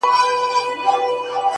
چي هغه تللې ده نو ته ولي خپه يې روحه-